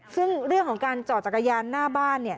ซึ่งเรื่องของการจอดจักรยานหน้าบ้านเนี่ย